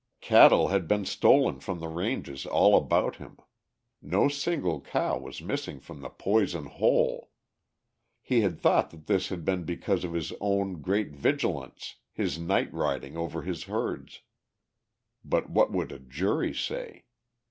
Cattle had been stolen from the ranges all about him; no single cow was missing from the Poison Hole. He had thought that this had been because of his own great vigilance, his night riding over his herds. But what would a jury say?